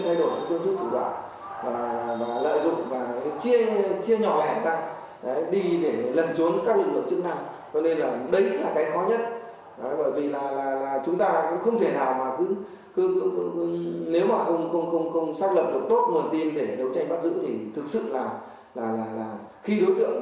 vận chuyển trốn tránh được được chứng rằng là cái đấy là cái tôi thấy là cái khó nhất trong việc kiểm soát đấu tranh bắt giữ xử lý